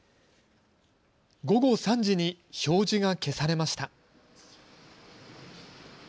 午後３時に表示が消されました。